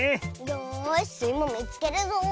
よしスイもみつけるぞ。